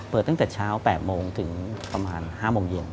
ตั้งแต่เช้า๘โมงถึงประมาณ๕โมงเย็น